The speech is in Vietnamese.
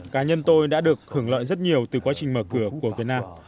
cá nhân tôi đã được hưởng lợi rất nhiều từ quá trình mở cửa của việt nam